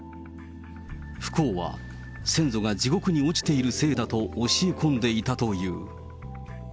不幸は先祖が地獄に落ちているせいだと教え込んでいたという。